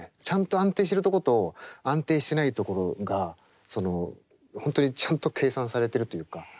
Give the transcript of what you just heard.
ちゃんと安定しているとこと安定してないところがその本当にちゃんと計算されてるというか。